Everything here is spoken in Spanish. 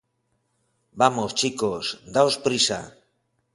¡ vamos, chicos! ¡ daos prisa!